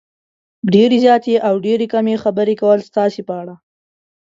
ډېرې زیاتې او یا ډېرې کمې خبرې کول ستاسې په اړه